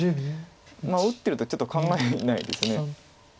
打ってるとちょっと考えないです。